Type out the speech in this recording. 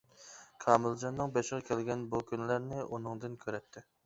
كامىلجاننىڭ بېشىغا كەلگەن بۇ كۈنلەرنى ئۇنىڭدىن كۆرەتتى.